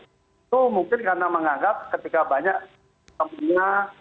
itu mungkin karena menganggap ketika banyak temannya